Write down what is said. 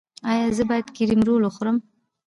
ایا زه باید کریم رول وخورم؟